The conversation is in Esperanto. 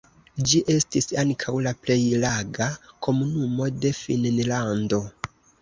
Ĝi estis ankaŭ la plej laga komunumo de Finnlando.